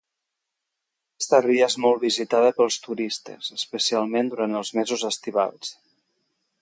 Aquesta ria és molt visitada pels turistes, especialment durant els mesos estivals.